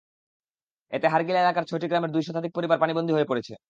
এতে হাড়গিলা এলাকার ছয়টি গ্রামের দুই শতাধিক পরিবার পানিবন্দী হয়ে পড়েছে।